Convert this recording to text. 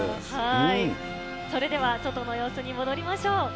それでは外の様子に戻りましょう。